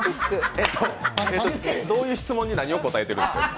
どういう質問に、何を答えてるんですか？